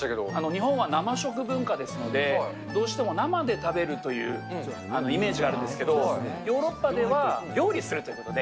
日本はなま食文化ですので、どうしても生で食べるというイメージがあるんですけど、ヨーロッパでは料理するということで。